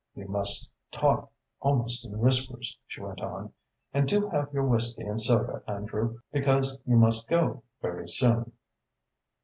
"We must talk almost in whispers," she went on. "And do have your whisky and soda, Andrew, because you must go very soon."